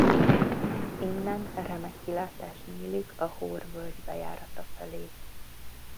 Innen remek kilátás nyílik a Hór-völgy bejárata felé.